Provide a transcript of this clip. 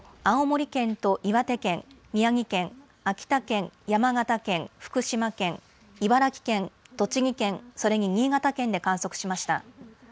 青森県と岩手県、宮城県、秋田県、山形県、福島県、茨城県、栃木県、それに新潟県で観測しました。